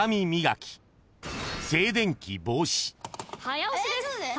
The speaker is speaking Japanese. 早押しです。